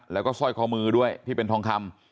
แล้วก็สร้อยคอมือด้วยที่เป็นทองคำ